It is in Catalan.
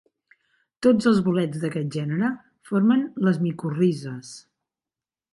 Tots els bolets d'aquest gènere formen les micorrizes.